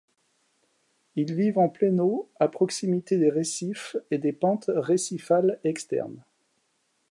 Ils vivent en pleine eau à proximité des récifs et des pentes récifales externes.